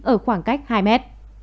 ở khoảng cách hai mét